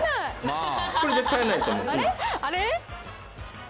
あれ？